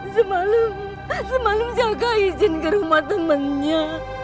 jaka pak semalam jaka izin ke rumah temennya